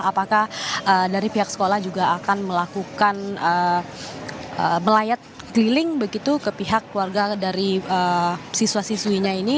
apakah dari pihak sekolah juga akan melakukan melayat keliling begitu ke pihak keluarga dari siswa siswinya ini